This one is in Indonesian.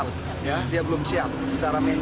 walaupun tadi juga belum sempat diberhentikan oleh kita